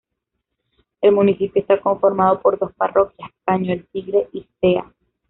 El municipio está conformado por dos parroquias, Caño El Tigre y Zea.